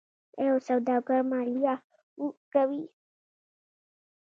آیا سوداګر مالیه ورکوي؟